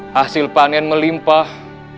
hasil pangin melimpah